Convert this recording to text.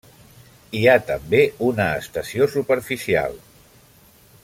Hi ha també una estació superficial.